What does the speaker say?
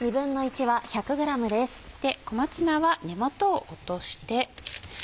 小松菜は根元を落として。